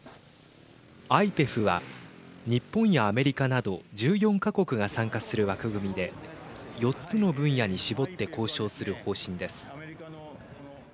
ＩＰＥＦは日本やアメリカなど１４か国が参加する枠組みで４つの分野に絞って交渉する方針です。